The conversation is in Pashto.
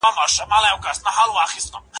زه اجازه لرم چي د کتابتون کتابونه لوستل کړم.